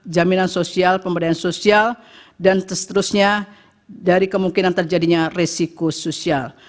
jaminan sosial pembedaan sosial dan seterusnya dari kemungkinan terjadinya resiko sosial